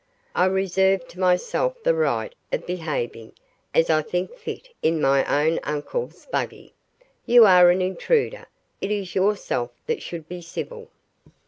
"I reserve to myself the right of behaving as I think fit in my own uncle's buggy. You are an intruder; it is yourself that should be civil."